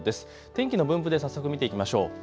天気の分布で早速見ていきましょう。